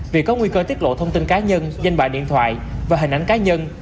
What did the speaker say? vì có nguy cơ tiết lộ thông tin cá nhân danh bài điện thoại và hình ảnh cá nhân